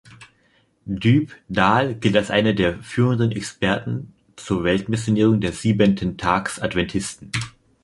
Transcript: Dybdahl gilt als einer der führenden Experten zur Weltmissionierung der Siebenten-Tags-Adventisten.